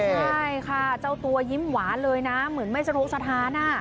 ใช่ค่ะเจ้าตัวยิ้มหวานเลยนะเหมือนไม่สนุกสถาน